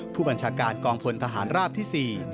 ผู้บัญชาการกองพลทหารราบที่๔